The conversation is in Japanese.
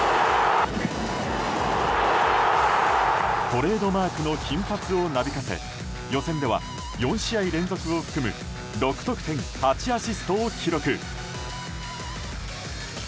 トレードマークの金髪をなびかせ予選では４試合連続を含む６得点８アシストを記録。